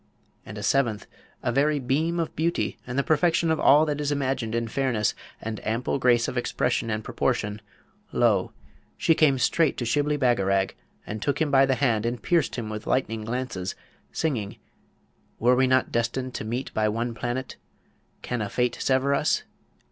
And a seventh, a very beam of beauty, and the perfection of all that is imagined in fairness and ample grace of expression and proportion, lo! she came straight to Shibli Bagarag, and took him by the hand and pierced him with lightning glances, singing: Were we not destined to meet by one planet? Can a fate sever us?